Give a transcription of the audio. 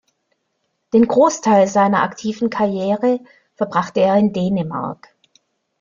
Den Großteil seiner aktiven Karriere verbrachte er in Dänemark.